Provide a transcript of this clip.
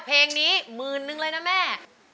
เพลงนี้๑๐๐๐๐เลยนะแม่